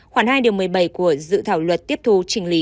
khoảng hai điều một mươi bảy của dự thảo luật tiếp thu chỉnh lý